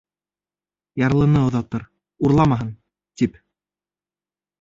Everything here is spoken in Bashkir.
Ярлыны оҙатыр «урламаһын» тип.